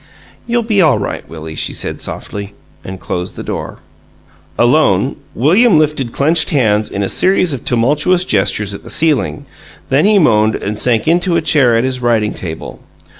"You'll be all right, Willie," she said, softly, and closed the door. Alone, William lifted clenched hands in a series of tumultuous gestures at the ceiling; then he moaned and sank into a chair at his writing table.